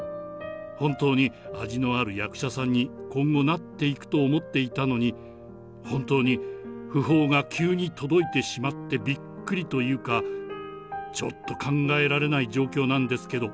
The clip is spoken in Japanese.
本当に味のある役者さんに、今後なっていくと思っていたのに、本当に、訃報が急に届いてしまってびっくりというか、ちょっと考えられない状況なんですけど。